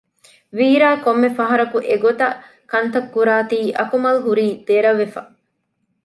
ވީރާ ކޮންމެ ފަހަރަކު އެގޮތަށް ކަންތައް ކުރާތީ އަކުމަލް ހުރީ ދެރަވެފަ